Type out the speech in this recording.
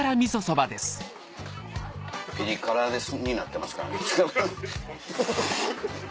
ピリ辛になってますからね。